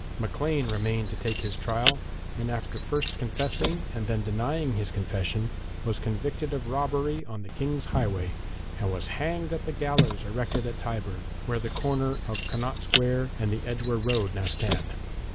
Maclean remained to take his trial, and after first confessing and then denying his confession, was convicted of robbery on the King's highway, and was hanged at the gallows erected at Tyburn, where the corner of Connaught Square and the Edgware Road now stand.